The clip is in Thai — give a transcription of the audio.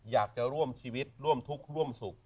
อยากจะร่วมชีวิตร่วมทุกข์ร่วมสุข